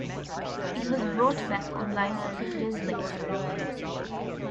It was brought back online a few days later.